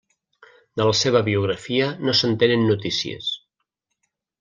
De la seva biografia no se'n tenen notícies.